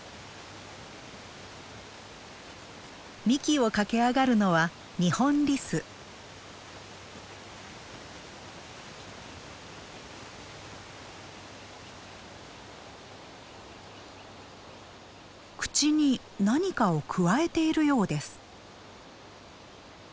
幹を駆け上がるのは口に何かをくわえているようです。